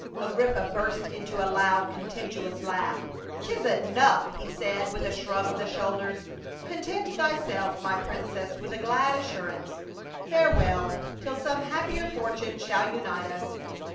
Agrippa burst into a loud contemptuous laugh. " 'Tis enough," he said with a shrug of the shoulders ;" content thyself, my princess, with the glad assurance. Farewell, till some happier fortune shall unite us."